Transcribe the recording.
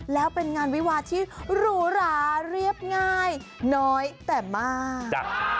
แล้วเป็นงานวิวาที่หรูหราเรียบง่ายน้อยแต่มากจ้ะ